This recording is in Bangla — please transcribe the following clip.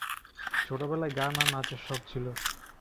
ছোটোবেলায় গান আর নাচের শখ ছিল।